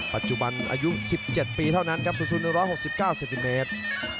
ปัจจุบันอายุ๑๗ปีเท่านั้นครับสูง๑๖๙เซนติเมตร